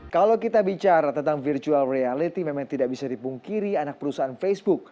kalau kita bicara tentang virtual reality memang tidak bisa dipungkiri anak perusahaan facebook